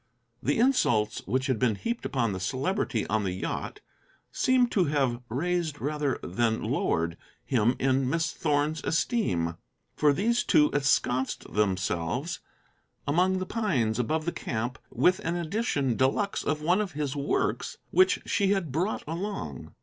The insults which had been heaped upon the Celebrity on the yacht seemed to have raised rather than lowered him in Miss Thorn's esteem, for these two ensconced themselves among the pines above the camp with an edition de luxe of one of his works which she had brought along.